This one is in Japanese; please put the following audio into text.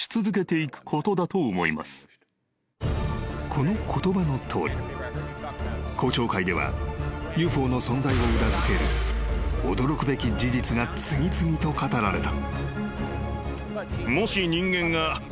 ［この言葉のとおり公聴会ではＵＦＯの存在を裏付ける驚くべき事実が次々と語られた］